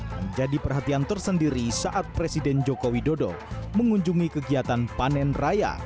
menjadi perhatian tersendiri saat presiden joko widodo mengunjungi kegiatan panen raya